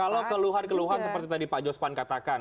kalau keluhan keluhan seperti tadi pak jospan katakan